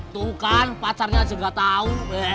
tuh kan pacarnya aja enggak tahu